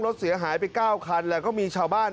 รถเสียหายไป๙คันแล้วก็มีชาวบ้าน